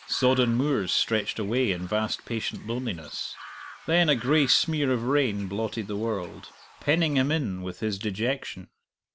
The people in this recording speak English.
Sodden moors stretched away in vast patient loneliness. Then a gray smear of rain blotted the world, penning him in with his dejection.